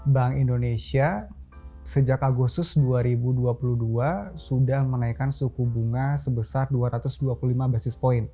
bank indonesia sejak agustus dua ribu dua puluh dua sudah menaikkan suku bunga sebesar dua ratus dua puluh lima basis point